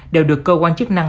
đều được cơ quan chức năng